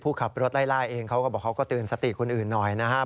ผู้ขับรถไล่เองเขาก็บอกว่าเขาก็ตื่นสติคุณอื่นหน่อยนะครับ